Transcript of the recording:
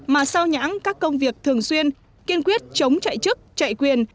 mà sao nhãng các công việc thường xuyên kiên quyết chống chạy chức chạy quyền